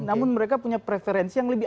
namun mereka punya preferensi yang lebih